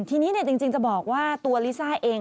ทีนี้จริงจะบอกว่าตัวลิซ่าเอง